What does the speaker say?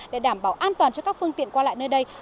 để đảm bảo an toàn cho các phương tiện qua lại nơi đây